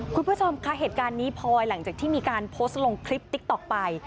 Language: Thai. คุณผู้ชมคะเหตุการณ์นี้พลอยหลังจากที่มีการโพสต์ลงคลิปติ๊กต๊อกไป